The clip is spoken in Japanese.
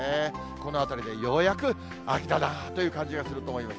このあたりでようやく秋だなという感じがすると思います。